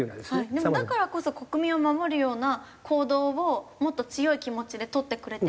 でもだからこそ国民を守るような行動をもっと強い気持ちでとってくれてもいいのにって。